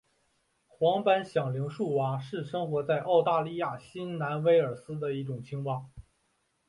黄斑响铃树蛙是生活在澳大利亚新南威尔斯的一种青蛙。